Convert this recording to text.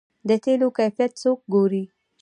د تیلو کیفیت څوک ګوري؟